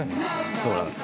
そうなんですよ。